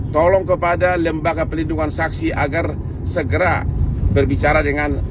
tolong kepada lembaga pelindungan saksi agar segera berbicara dengan